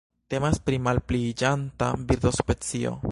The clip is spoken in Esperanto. Temas pri malpliiĝanta birdospecio.